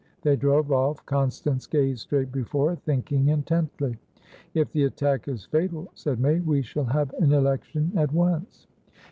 They drove off. Constance gazed straight before her, thinking intently. "If the attack is fatal," said May, "we shall have an election at once."